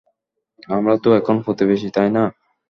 আমরা তো এখন প্রতিবেশী, তাই না?